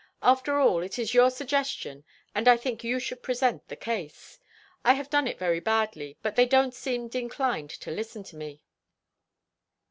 "After all, it is your suggestion, and I think you should present the case. I have done it very badly, and they don't seem inclined to listen to me."